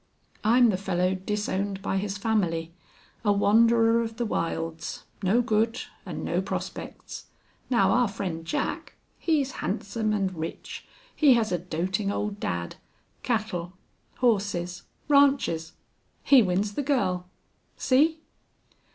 "I'm the fellow disowned by his family a wanderer of the wilds no good and no prospects.... Now our friend Jack, he's handsome and rich. He has a doting old dad. Cattle, horses ranches! He wins the girl. See!"